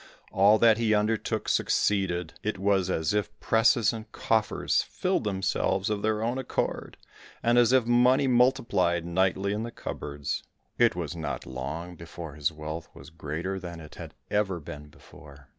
All that he undertook succeeded, it was as if presses and coffers filled themselves of their own accord, and as if money multiplied nightly in the cupboards. It was not long before his wealth was greater than it had ever been before.